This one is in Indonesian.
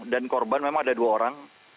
dan korban memang ada dua orang